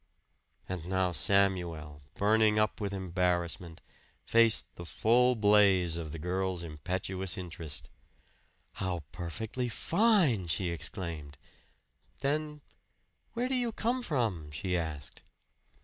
And now Samuel, burning up with embarrassment, faced the full blaze of the girl's impetuous interest. "How perfectly fine!" she exclaimed; then, "Where do you come from?" she asked.